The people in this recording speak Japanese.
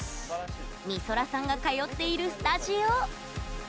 みそらさんが通っているスタジオ。